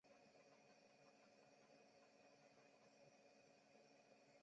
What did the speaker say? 博洛尼亚大学后来也成为了中世纪欧洲其他法学院的模板。